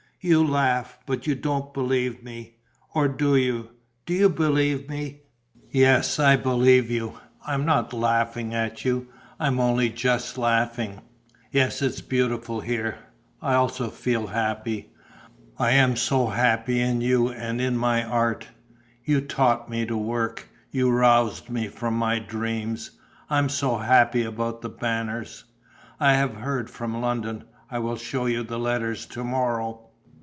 You laugh, but you don't believe me. Or do you? Do you believe me?" "Yes, I believe you, I am not laughing at you, I am only just laughing.... Yes, it is beautiful here.... I also feel happy. I am so happy in you and in my art. You taught me to work, you roused me from my dreams. I am so happy about The Banners: I have heard from London; I will show you the letters to morrow.